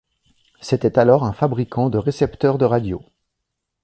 C'était alors un fabricant de récepteurs de radios.